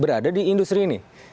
berada di industri ini